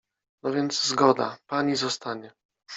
— No, więc zgoda, pani zostanie.